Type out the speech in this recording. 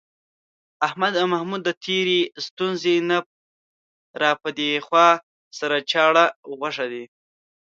احمد او محمود د تېرې ستونزې نه را پدېخوا، سره چاړه غوښه دي.